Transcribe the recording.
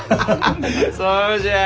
そうじゃ！